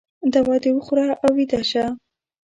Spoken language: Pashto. دوا د وخوره او ویده شه